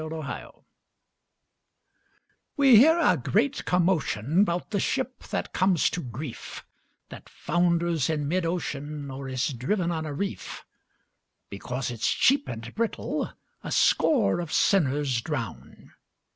0 Autoplay We hear a great commotion 'Bout the ship that comes to grief, That founders in mid ocean, Or is driven on a reef; Because it's cheap and brittle A score of sinners drown.